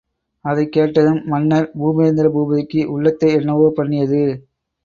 அதைக் கேட்டதும், மன்னர் பூபேந்திர பூபதிக்கு உள்ளத்தை என்னவோ பண்ணியது.